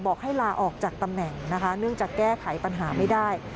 ให้ลาออกจากตำแหน่งนะคะเนื่องจากแก้ไขปัญหาไม่ได้